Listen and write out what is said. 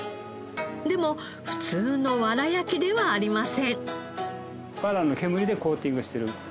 でも普通のわら焼きではありません。